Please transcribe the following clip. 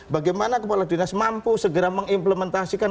bagaimana kepala dinas mampu segera mengimplementasikan